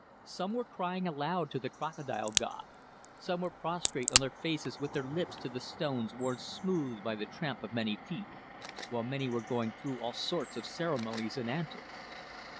Some were crying aloud to the Crocodile god, some were prostrate on their faces with their lips to the stones worn smooth by the tramp of many feet, while many were going through all sorts of ceremonies and antics.